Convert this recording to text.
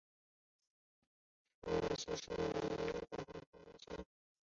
是俄罗斯唯一一艘航空母舰。